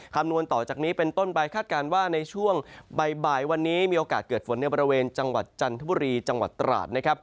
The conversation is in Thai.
คำนวณต่อจากนี้เป็นต้นไปคาดการณ์ว่าในช่วงบ่ายวันนี้มีโอกาสเกิดฝนในบริเวณจังหวัดจันทบุรีจังหวัดตราดนะครับ